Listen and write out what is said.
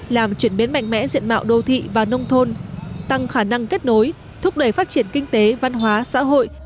làm chuyển biến mạnh mẽ diện mạo đô thị và nông thôn tăng khả năng kết nối thúc đẩy phát triển kinh tế văn hóa xã hội